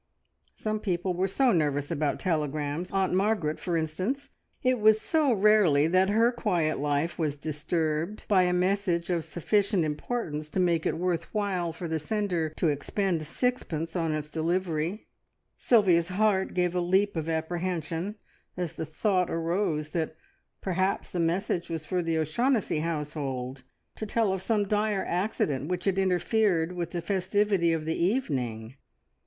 Some people were so nervous about telegrams Aunt Margaret, for instance! It was so rarely that her quiet life was disturbed by a message of sufficient importance to make it worth while for the sender to expend sixpence on its delivery. Sylvia's heart gave a leap of apprehension as the thought arose that perhaps the message was for the O'Shaughnessy household to tell of some dire accident which had interfered with the festivity of the evening.